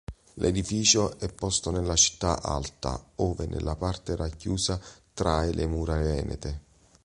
L'edificio è posto nella città alta, ovvero nella parte racchiusa tra le mura venete.